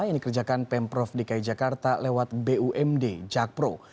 yang dikerjakan pemprov dki jakarta lewat bumd jakpro